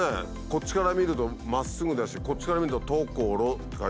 こっちから見るとまっすぐだしこっちから見ると「所」って書いてあるし。